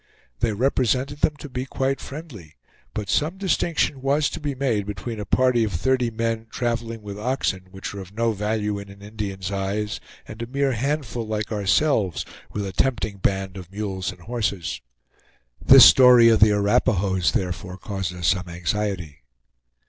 They represented them to be quite friendly; but some distinction was to be made between a party of thirty men, traveling with oxen, which are of no value in an Indian's eyes and a mere handful like ourselves, with a tempting band of mules and horses. This story of the Arapahoes therefore caused us some anxiety.